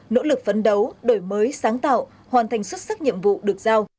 nỗ lực phấn đấu đổi mới sáng tạo hoàn thành xuất sắc nhiệm vụ được giao